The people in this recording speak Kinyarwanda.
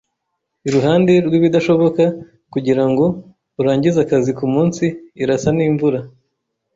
Iruhande rwibidashoboka kugirango urangize akazi kumunsi. Irasa n'imvura.